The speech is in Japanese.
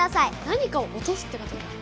何かを落とすってことだ。